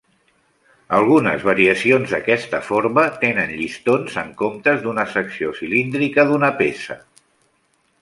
Algunes variacions d'aquesta forma tenen llistons en comptes d'una secció cilíndrica d'una peça.